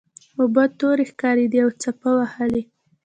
اوبه تورې ښکاریدې او څپه وهلې.